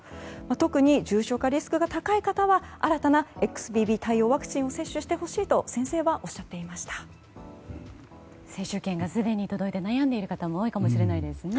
特に重症化リスクが高い方は新たなＸＢＢワクチンを接種してほしいと接種券が届いて悩んでいる方も多いかもしれないですね。